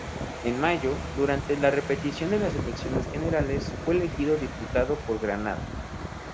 En mayo, durante la repetición de las elecciones generales, fue elegido diputado por Granada.